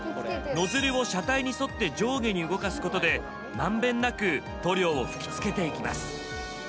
ノズルを車体に沿って上下に動かすことで満遍なく塗料を吹きつけていきます。